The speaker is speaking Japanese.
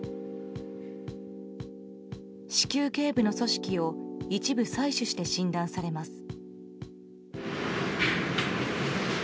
子宮頸部の組織を一部採取して診断されます。